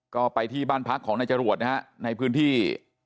ก็ไปที่บ้านพักของนายจรวดนะฮะในพื้นที่